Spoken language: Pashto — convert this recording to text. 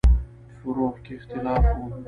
فروع کې اختلاف و.